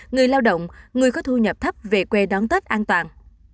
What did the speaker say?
người lao động người có thu nhập thấp về quê đón tết an toàn